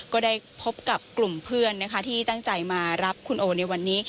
ก็ได้พบกับกลุ่มเพื่อนนะคะที่ตั้งใจมารับคุณโอในวันนี้